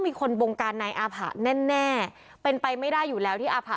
มีคนบงการนายอาผะแน่เป็นไปไม่ได้อยู่แล้วที่อาผะ